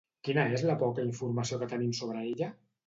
Quina és la poca informació que tenim sobre ella?